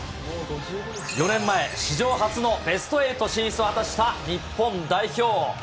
４年前、史上初のベスト８進出を果たした日本代表。